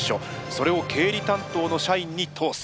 それを経理担当の社員に通す。